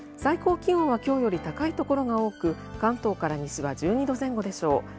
最高気温は今日より高いところが多く関東から西は１２度前後でしょう。